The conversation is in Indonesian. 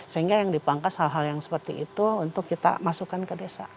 sehingga yang dipangkas hal hal yang seperti itu untuk kita masukkan ke desa